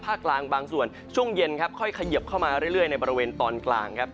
กลางบางส่วนช่วงเย็นครับค่อยเขยิบเข้ามาเรื่อยในบริเวณตอนกลางครับ